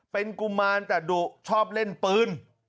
เป็นกุมารแต่ดุชอบเล่นปืน